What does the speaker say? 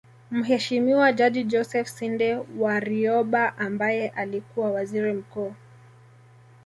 Mheshimiwa Jaji Joseph Sinde Warioba ambaye alikuwa Waziri Mkuu